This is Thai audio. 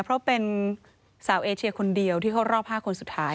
เพราะเป็นสาวเอเชียคนเดียวที่เข้ารอบ๕คนสุดท้าย